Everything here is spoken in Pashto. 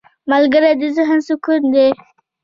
ملګری د ذهن سکون دی